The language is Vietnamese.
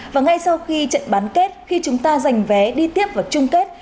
và ngay sau khi trận bán kết khi chúng ta giành vé đi tiếp vào chung kết